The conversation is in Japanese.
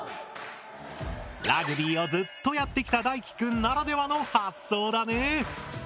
ラグビーをずっとやってきた大樹くんならではの発想だね！